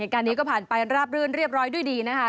การนี้ก็ผ่านไปราบรื่นเรียบร้อยด้วยดีนะคะ